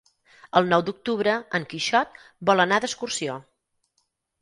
El nou d'octubre en Quixot vol anar d'excursió.